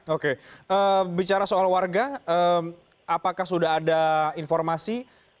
oke bicara soal warga apakah sudah ada informasi